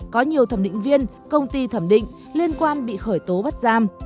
có nhiều thẩm định viên công ty thẩm định liên quan bị khởi tố bắt giam